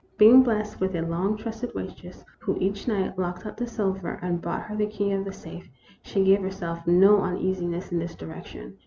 Being blessed with a long trusted waitress, who each night locked up the silver and brought her the key of the safe, she gave herself no uneasiness in this direc tion.